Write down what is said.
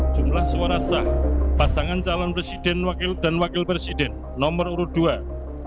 jumlah suara sah pasangan calon presiden dan wakil presiden nomor urut dua